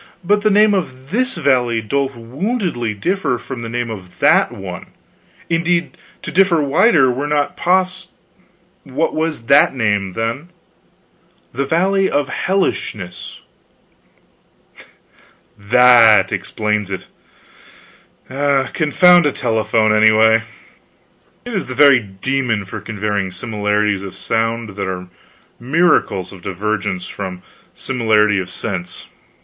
But the name of this valley doth woundily differ from the name of that one; indeed to differ wider were not pos " "What was that name, then?" "The Valley of Hellishness." "That explains it. Confound a telephone, anyway. It is the very demon for conveying similarities of sound that are miracles of divergence from similarity of sense.